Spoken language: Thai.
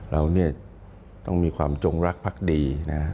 เราต้องมีความจงรักพรรคดี